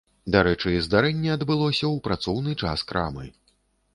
Дарэчы, здарэнне адбылося ў працоўны час крамы.